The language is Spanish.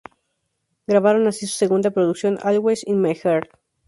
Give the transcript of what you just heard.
Grabaron así su segunda producción: "Always In My Heart".